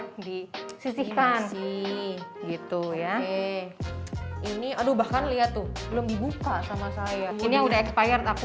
yang disisihkan sih gitu ya ini aduh bahkan lihat tuh belum dibuka sama saya ini udah expired aku